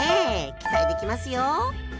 期待できますよ！